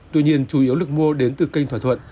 tuy nhiên chủ yếu được mua đến từ kênh thỏa thuận